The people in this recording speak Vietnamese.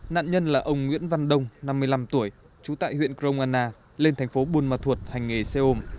nạn nhân là ông nguyễn văn đông năm mươi năm tuổi trú tại huyện crong anna lên thành phố buôn ma thuột hành nghề xe ôm